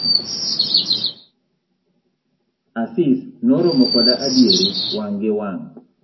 Asis noromo koda adieri wang' gi wang'.